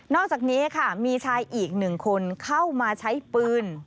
อกจากนี้ค่ะมีชายอีกหนึ่งคนเข้ามาใช้ปืน